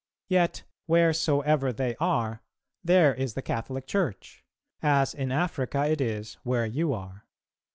Yet, wheresoever they are, there is the Catholic Church; as in Africa it is where you are.